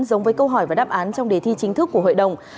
giống với câu hỏi và đáp án trong đề thi chính thức của hội đồng